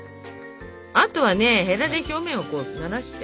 あとはねヘラで表面をならして。